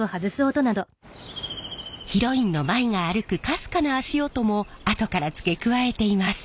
ヒロインの舞が歩くかすかな足音もあとから付け加えています。